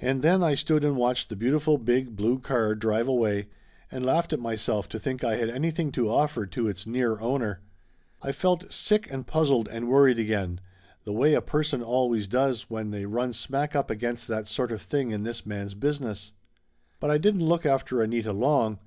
And then I stood and watched the beautiful big blue car drive away, and laughed at myself to think I had anything to offer to its near owner! I felt sick and puzzled and worried again, the way a person always does when 140 Laughter Limited they run smack up against that sort of thing in this man's business. But I didn't look after Anita long.